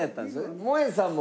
もえさんも。